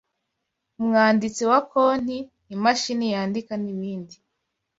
umwanditsi wa konti imashini yandika nibindi